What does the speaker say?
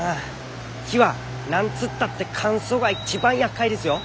木は何つったって乾燥が一番やっかいですよ。